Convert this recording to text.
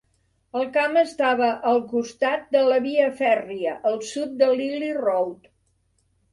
El camp estava al costa de la via fèrria al sud de Lillie Road.